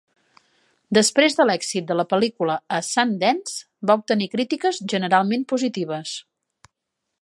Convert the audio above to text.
Després de l'èxit de la pel·lícula a Sundance, va obtenir crítiques generalment positives.